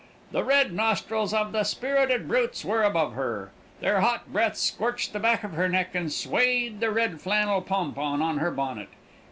"The red nostrils of the spirited brutes were above her. Their hot breath scorched the back of her neck and swayed the red flannel pompon on her bonnet.